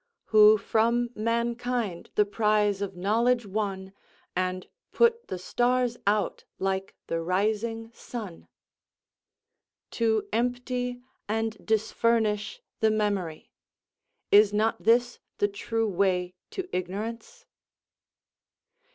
"Who from mankind the prize of knowledge won, And put the stars out like the rising sun." To empty and disfurnish the memory, is not this the true way to ignorance?